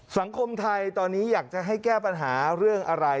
สังคมไทยตอนนี้อยากจะให้แก้ปัญหาเรื่องอะไร